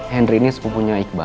henry ini sepupunya iqbal